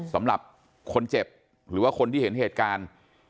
สำหรับคนเจ็บหรือว่าคนที่เห็นเหตุการณ์